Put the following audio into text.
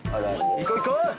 行こう行こう！